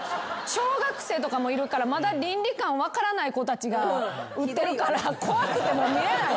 小学生とかもいるからまだ倫理観分からない子たちが打ってるから怖くて見れない。